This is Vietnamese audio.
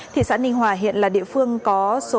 thị xã ninh hòa hiện là địa phương có số